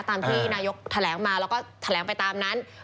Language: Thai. ตามที่นายกแถลงมาแล้วก็แถลงไปตามนั้น